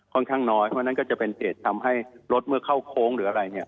ข้างน้อยเพราะฉะนั้นก็จะเป็นเหตุทำให้รถเมื่อเข้าโค้งหรืออะไรเนี่ย